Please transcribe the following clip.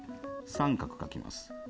三角描きます。